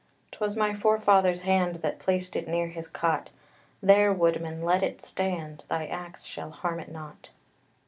'Twas my forefather's hand That placed it near his cot; There, woodman, let it stand, Thy axe shall harm it not.